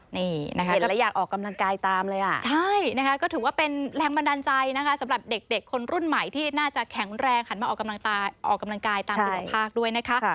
นี่นะคะเห็นแล้วอยากออกกำลังกายตามเลยอ่ะใช่นะคะก็ถือว่าเป็นแรงบันดาลใจนะคะสำหรับเด็กคนรุ่นใหม่ที่น่าจะแข็งแรงหันมาออกกำลังออกกำลังกายตามดวงภาคด้วยนะคะ